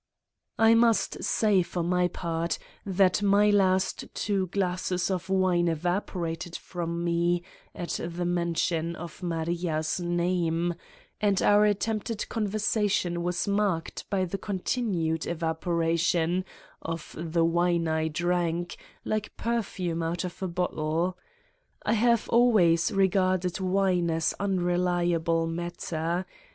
I must say for my part, that my last two glasses of wine evaporated from me at the mention of 112 Satan's Diary Maria 9 s name, and our attempted conversation was marked by continued evaporation of the wine I drank, like perfume out of a bottle. I have always regarded wine as unreliable matter.